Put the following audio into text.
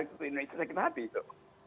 itu sakit hati itu